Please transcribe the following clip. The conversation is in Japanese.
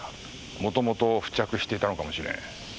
もともと付着していたのかもしれん。